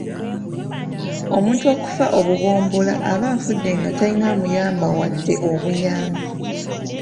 Omuntu okufa obumbula aba afudde nga talina amuyamba wadde obuyambi.